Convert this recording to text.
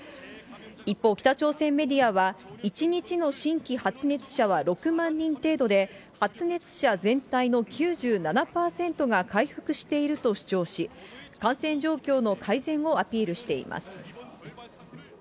一方、北朝鮮メディアは、１日の新規発熱者は６万人程度で、発熱者全体の９７％が回復していると主張し、感染状況の改善をアピールしています。